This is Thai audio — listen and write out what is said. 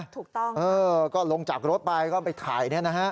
ถูกต้องเออก็ลงจากรถไปก็ไปถ่ายเนี่ยนะฮะ